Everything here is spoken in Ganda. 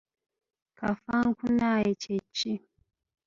Kafankunaaye kye ki?